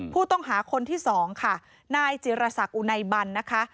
ผู้ต้องหาคนที่สองค่ะนายจิรษักอุไนบันนะคะ